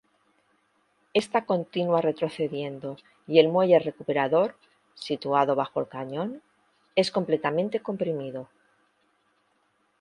Esta continua retrocediendo y el muelle recuperador, situado bajo el cañón, es completamente comprimido.